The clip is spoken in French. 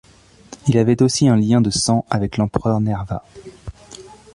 Il avait aussi un lien de sang avec l'empereur Nerva.